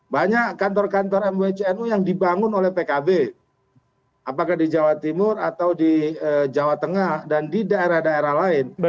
banyak kantor kantor mwcnu yang dibangun oleh pkb apakah di jawa timur atau di jawa tengah dan di daerah daerah lain